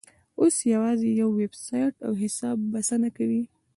اوس یوازې یو ویبسایټ او حساب بسنه کوي.